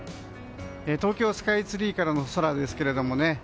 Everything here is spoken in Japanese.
東京スカイツリーからの空ですけれどもね